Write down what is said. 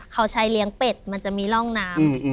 เขาใช้เลี้ยงเป็ดมันจะมีร่องน้ำ